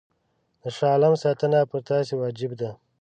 د شاه عالم ساتنه پر تاسي واجب ده.